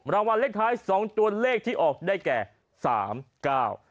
รางวัลเลขท้ายสองตัวเลขที่ออกได้แก่สามเก้า